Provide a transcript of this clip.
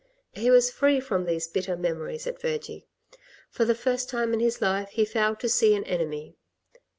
He was free from these bitter memories at Vergy; for the first time in his life, he failed to see an enemy.